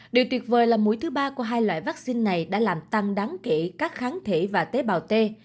điều tuyệt vời là mũi thứ ba của hai loại vaccine này đã làm tăng đáng kể các kháng thể và tế bào t